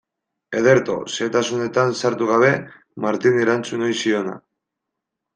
Ederto, xehetasunetan sartu gabe, Martini erantzun ohi ziona.